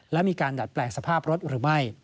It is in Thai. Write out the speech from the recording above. และมีการดัดแปลงสภาพรถหรือไม่